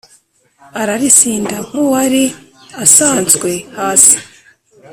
aralisinda nk’uwari asanswe hasi,